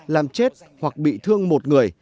làm chết hoặc bị thương một người